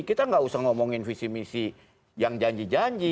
kita nggak usah ngomongin visi misi yang janji janji